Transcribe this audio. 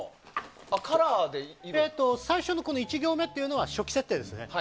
最初の１行目は初期設定ですね。